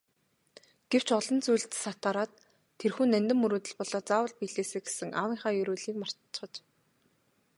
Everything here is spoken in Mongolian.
Гэвч олон зүйлд сатаараад тэрхүү нандин мөрөөдөл болоод заавал биелээсэй гэсэн аавынхаа ерөөлийг мартчихаж.